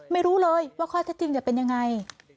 ไม่รู้เลยว่าข้อเท็จจริงจะเป็นยังไง